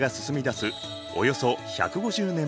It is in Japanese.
およそ１５０年前。